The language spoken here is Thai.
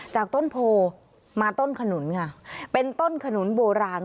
จากต้นโพมาต้นขนุนค่ะเป็นต้นขนุนโบราณ